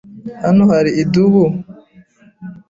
Hano hari idubu?